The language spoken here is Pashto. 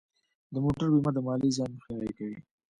د موټر بیمه د مالي زیان مخنیوی کوي.